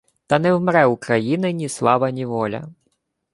Та не вмре України ні слава ні воля